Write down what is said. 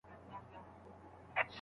چېرته به د سوي میني زور وینو